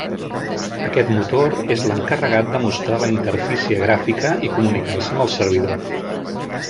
Aquest motor és l'encarregat de mostrar la interfície gràfica i comunicar-se amb el servidor.